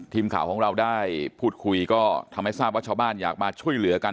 ทีมข่าวของเราได้พูดคุยก็ทำให้ทราบว่าชาวบ้านอยากมาช่วยเหลือกัน